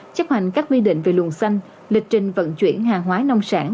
chấp hành các quy định về luồng xanh lịch trình vận chuyển hàng hóa nông sản